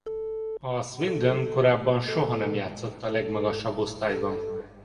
A Swindon korábban soha nem játszott a legmagasabb osztályban.